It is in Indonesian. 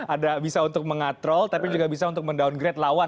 ada bisa untuk meng atro tapi juga bisa untuk men downgrade lawan